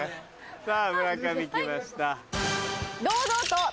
さぁ村上来ました。